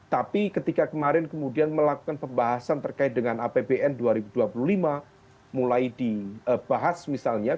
tapi ketika kemarin kemudian melakukan pembahasan terkait dengan apbn dua ribu dua puluh lima mulai dibahas misalnya